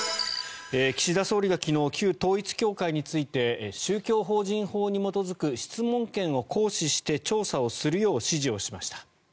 岸田総理が昨日旧統一教会について宗教法人法に基づく質問権を行使して調査をするよう指示しました。